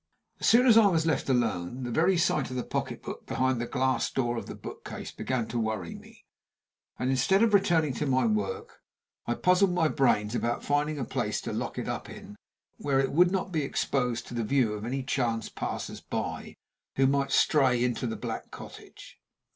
As soon as I was left alone, the very sight of the pocketbook behind the glass door of the book case began to worry me, and instead of returning to my work, I puzzled my brains about finding a place to lock it up in, where it would not be exposed to the view of any chance passers by who might stray into the Black Cottage.